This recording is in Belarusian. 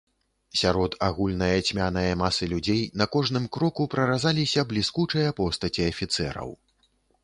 Сярод агульнае цьмянае масы людзей на кожным кроку праразаліся бліскучыя постаці афіцэраў.